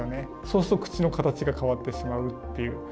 そうすると口の形が変わってしまうっていう。